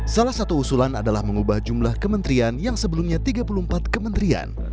salah satu usulan adalah mengubah jumlah kementerian yang sebelumnya tiga puluh empat kementerian